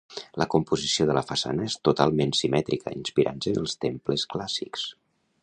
La composició de la façana és totalment simètrica inspirant-se en els temples clàssics.